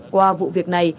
qua vụ việc này